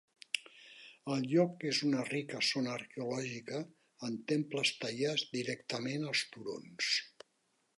El lloc és una rica zona arqueològica, amb temples tallats directament als turons.